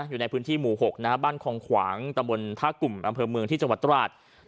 อยู่ในพื้นที่หมู่๖บ้านคองขวางตะบนท่ากลุ่มอำเภอเมืองที่จังหวัดตราด